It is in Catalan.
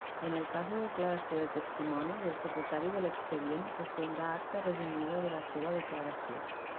En el cas de declaració de testimonis, el secretari de l'expedient estendrà acta resumida de la seua declaració.